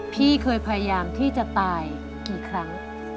พี่เคยพยายามที่จะตายกี่ครั้ง